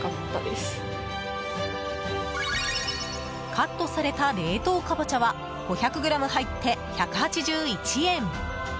カットされた冷凍カボチャは５００ｇ入って１８１円。